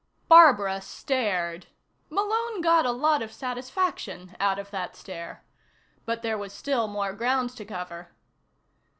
Barbara stared. Malone got a lot of satisfaction out of that stare. But there was still more ground to cover.